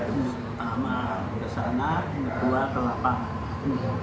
pertama ke sana ke dua ke lapangan